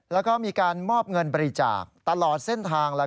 แล้วก็มีการมอบเงินบริจาคตลอดเส้นทาง